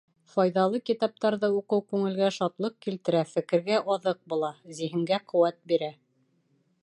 Файҙалы китаптарҙы уҡыу күңелгә шатлыҡ килтерә, фекергә аҙыҡ була, зиһенгә ҡеүәт бирә.